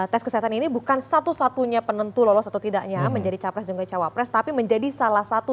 tes kesehatan ini bukan satu satunya penentu lolos atau tidaknya menjadi capres dan cawapres tapi menjadi salah satu